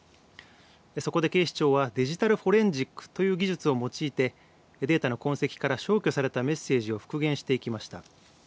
そこで警視庁はデジタルフォレンジックという技術を用いてデータの痕跡から消去されたメッセージを復元していきました。